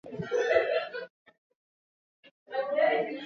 Kutetea maslahi ya waandishi wa Tanzania na kuwaunganisha